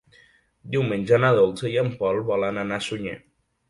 Diumenge na Dolça i en Pol volen anar a Sunyer.